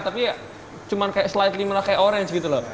tapi ya cuman kayak slightly merah kayak orange gitu loh